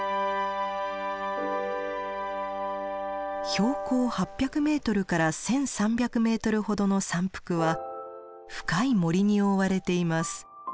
標高８００ｍから１，３００ｍほどの山腹は深い森に覆われています。